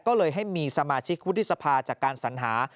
ก็เลยให้มีสมาชิกวุฒิสภาจากการสัญหา